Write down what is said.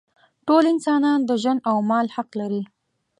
ټول انسانان د ژوند او مال حق لري.